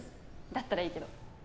だったらいいけど。